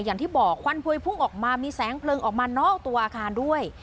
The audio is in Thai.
อย่างที่บอกควันพวยพุ่งออกมามีแสงเพลิงออกมานอกตัวอาคารด้วย